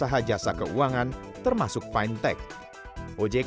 otoritas jasa keuangan atau ojk adalah regulator yang mengatur dan mengawasi sektor fintech